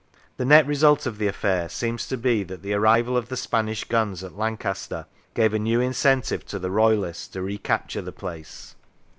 The net result of the affair seems to be that the arrival of the Spanish guns at Lancaster gave a new incentive to the Royalists to recapture the place.